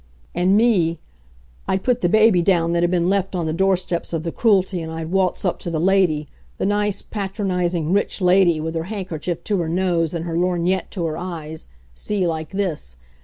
And me I'd put the baby down that'd been left on the door steps of the Cruelty, and I'd waltz up to the lady, the nice, patronizing, rich lady, with her handkerchief to her nose and her lorgnette to her eyes see, like this.